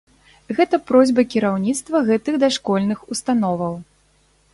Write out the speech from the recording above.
Гэта просьба кіраўніцтва гэтых дашкольных установаў.